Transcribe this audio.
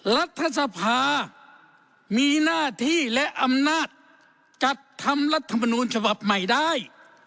รัฐสภามีหน้าที่และอำนาจจัดทำรัฐมนูลฉบับใหม่ได้